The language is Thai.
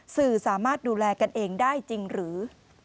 สื่อสามารถดูแลกันเองได้จริงหรือ